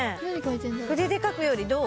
筆で描くよりどう？